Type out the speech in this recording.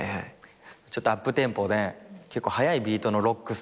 ちょっとアップテンポで結構速いビートのロック。